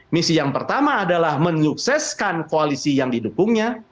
misi yang pertama adalah menyukseskan koalisi yang didukungnya